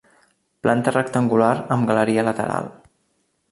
Planta rectangular amb galeria lateral.